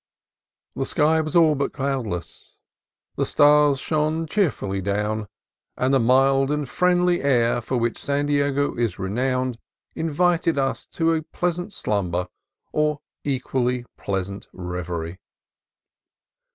The sky was all but cloudless, the stars shone cheerfully down, and the mild and friendly air for which San Diego is renowned invited us to pleasant slumber or equally pleasant reverie.